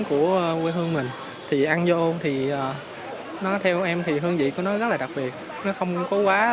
của quê hương mình thì ăn vô thì nó theo em thì hương vị của nó rất là đặc biệt nó không có quá